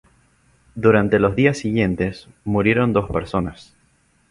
Durante los días siguientes murieron dos personas.